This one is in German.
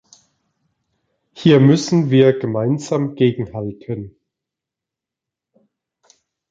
Hier müssen wir gemeinsam gegenhalten.